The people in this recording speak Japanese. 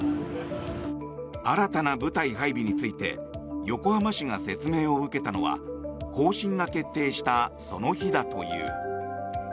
新たな部隊配備について横浜市が説明を受けたのは方針が決定したその日だという。